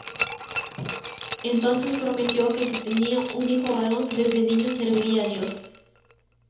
Entonces prometió que si tenía un hijo varón desde niño serviría a Dios.